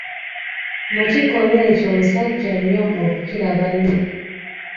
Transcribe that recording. Mu kikolwa ekyo musajja nnyo okukira banne!